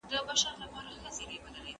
آيا موږ یو بل ته درناوی کوو؟